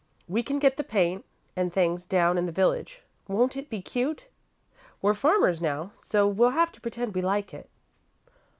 We can get the paint and things down in the village. Won't it be cute? We're farmers, now, so we'll have to pretend we like it."